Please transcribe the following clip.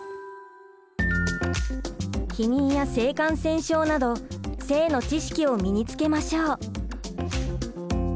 避妊や性感染症など性の知識を身につけましょう。